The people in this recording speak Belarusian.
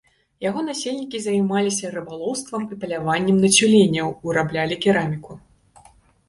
Яго насельнікі займаліся рыбалоўствам і паляваннем на цюленяў, выраблялі кераміку.